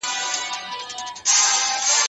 د هرات صنعت کي د پرمختګ کچه څنګه لوړیږي؟